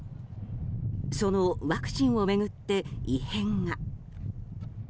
そのワクチンを巡って異変が。